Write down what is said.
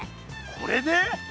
これで？